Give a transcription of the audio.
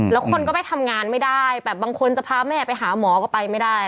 แล้วคนก็ไปทำงานไม่ได้แบบบางคนจะพาแม่ไปหาหมอก็ไปไม่ได้